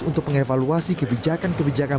untuk mengevaluasi kebijakan kebijakan